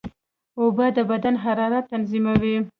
اوبه د بدن حرارت تنظیموي.